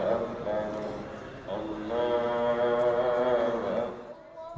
allah allah allah